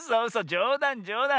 じょうだんじょうだん。